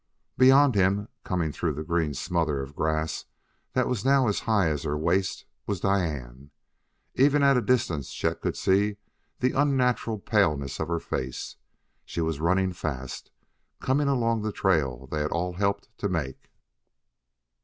Beyond him, coming through the green smother of grass that was now as high as her waist, was Diane. Even at a distance Chet could see the unnatural paleness of her face; she was running fast, coming along the trail they had all helped to make.